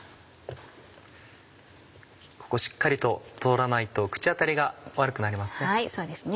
ここしっかりと取らないと口当たりが悪くなりますね。